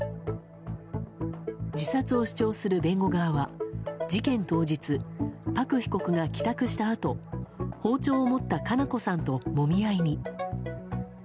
自殺を主張する弁護側は事件当日パク被告が帰宅したあと包丁を持った佳菜子さんともみ合いに。